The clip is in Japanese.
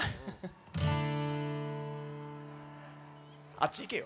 あっちいけよ。